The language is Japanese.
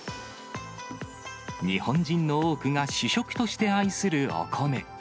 日本人の多くが主食として愛するお米。